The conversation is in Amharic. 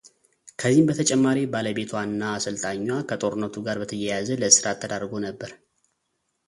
ከዚህም በተጨማሪ ባለቤቷ እና አሰልጣኟ ከጦርነቱ ጋር በተያያዘ ለእስራት ተዳርጎ ነበር።